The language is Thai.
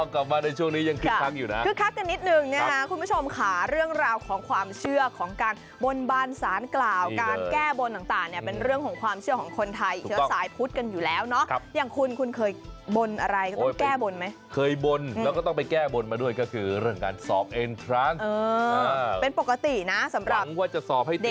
กลับมาในช่วงนี้ยังคึกคักอยู่นะคึกคักกันนิดนึงนะคะคุณผู้ชมค่ะเรื่องราวของความเชื่อของการบนบานสารกล่าวการแก้บนต่างเนี่ยเป็นเรื่องของความเชื่อของคนไทยเชื้อสายพุทธกันอยู่แล้วเนาะอย่างคุณคุณเคยบนอะไรก็ต้องแก้บนไหมเคยบนแล้วก็ต้องไปแก้บนมาด้วยก็คือเรื่องการสอบเอ็นทรัสเป็นปกตินะสำหรับ